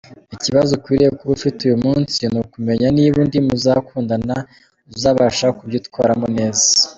Ikibazo ukwiriye kuba ufite uyu munsi ni ukumenya niba undi muzakundana uzabasha kubyitwaramo neza.